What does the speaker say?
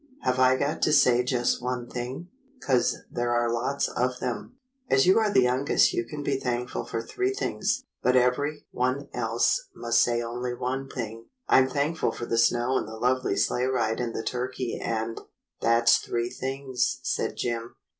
"Have I got to say just one thing.^ 'Cause there are lots of them." 140 THE BLUE AUNT "As you are the youngest you can be thankful for three things, but every one else must say only one thing." "I'm thankful for the snow and the lovely sleigh ride and the turkey and —" "That's three things," said Jim.